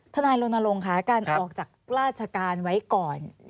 ทนายรณรงค์ค่ะการออกจากราชการไว้ก่อน